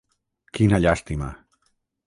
Quina llàstima!